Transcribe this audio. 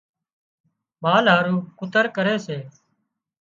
مال هارو ڪُتر ڪري سي